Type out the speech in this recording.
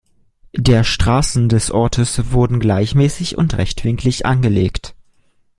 Der Straßen des Ortes wurden gleichmäßig und rechtwinklig angelegt.